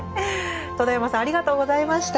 戸田山さんありがとうございました。